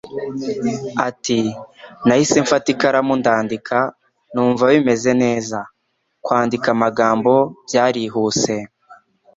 Ati “Nahise mfata ikaramu ndandika, numva bimeze neza. Kwandika amagambo byarihuse.